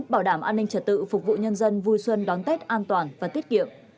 bảo đảm an ninh trật tự phục vụ nhân dân vui xuân đón tết an toàn và tiết kiệm